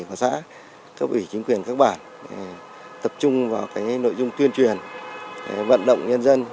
các bản xã các vị chính quyền các bản tập trung vào nội dung tuyên truyền vận động nhân dân